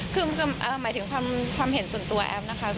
คือหมายถึงความเห็นส่วนตัวแอฟนะคะ